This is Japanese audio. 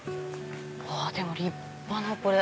でも立派なこれ。